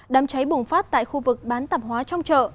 đám cháy bùng phát tại khu vực bán tạp hóa trong chợ